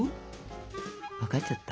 分かっちゃった？